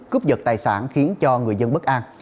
cướp giật tài sản khiến cho người dân bất an